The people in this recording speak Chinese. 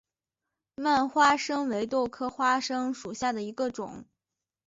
蔓花生为豆科花生属下的一个种。